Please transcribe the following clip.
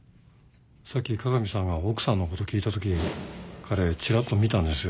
さっき加賀美さんが奥さんのこと聞いたとき彼ちらっと見たんですよ。